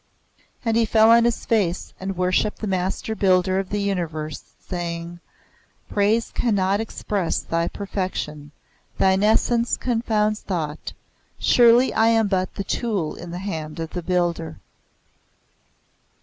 And he fell on his face and worshipped the Master Builder of the Universe, saying, "Praise cannot express thy Perfection. Thine Essence confounds thought. Surely I am but the tool in the hand of the Builder."